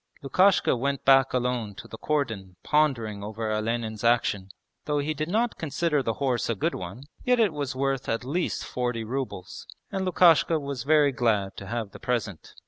Lukashka went back alone to the cordon pondering over Olenin's action. Though he did not consider the horse a good one, yet it was worth at least forty rubles and Lukashka was very glad to have the present.